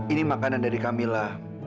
ini makanan dari kamila